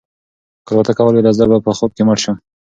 که الوتکه ولویده زه به په خوب کې مړ شم.